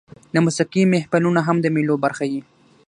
د موسیقۍ محفلونه هم د مېلو برخه يي.